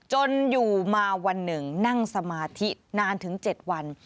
จนอยู่มาวันหนึ่งนั่งสมาธินานถึง๗วัน